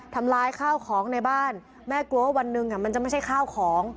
ทำลายข้าวของในบ้านแม่กลัวว่าวันหนึ่งมันจะไม่ใช่ข้าวของ